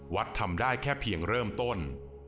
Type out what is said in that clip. ทำได้แค่เพียงเริ่มต้น